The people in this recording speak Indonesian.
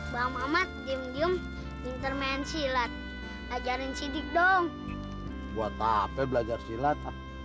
bang mamat diem diem intermen silat ajarin sidik dong buat hp belajar silat